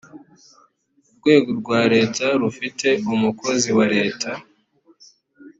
urwego rwa leta rufite umukozi wa leta